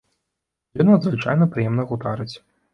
З ёй надзвычайна прыемна гутарыць.